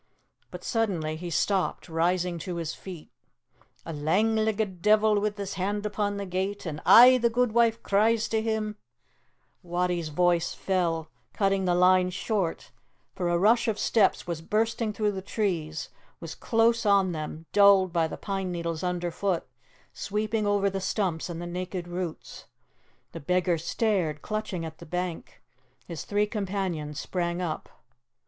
But suddenly he stopped, rising to his feet: "A lang leggit deevil wi' his hand upon the gate, An' aye the Guidwife cries to him " Wattie's voice fell, cutting the line short, for a rush of steps was bursting through the trees was close on them, dulled by the pine needles underfoot sweeping over the stumps and the naked roots. The beggar stared, clutching at the bank. His three companions sprang up.